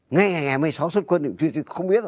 ngay ngày ngày một mươi sáu xuất quân thì không biết rồi